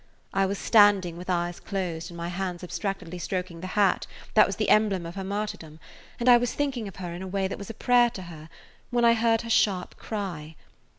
I was standing with eyes closed and my hands abstractedly stroking the hat that was the emblem of her martyrdom, and I was thinking of her in a way that was a prayer to her, when I heard her sharp cry.